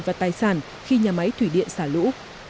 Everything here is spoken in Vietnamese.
và tài sản khi nhà máy thủy điện xả lũ